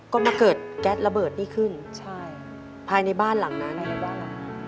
ก็มาเกิดแก๊สระเบิดนี่ขึ้นใช่ภายในบ้านหลังนั้นอะไรในบ้าน